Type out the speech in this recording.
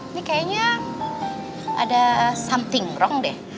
ini kayaknya ada something wrong deh